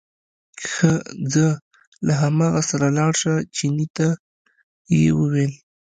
ښه ځه له هماغه سره لاړ شه، چیني ته یې وویل.